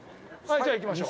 じゃあ、いきましょう。